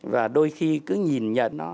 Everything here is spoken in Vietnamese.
và đôi khi cứ nhìn nhận